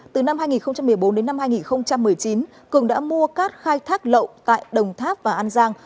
từ năm hai nghìn một mươi bốn đến năm hai nghìn một mươi chín cường đã mua cát khai thác lậu tại đồng tháp và an giang